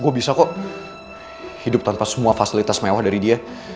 gue bisa kok hidup tanpa semua fasilitas mewah dari dia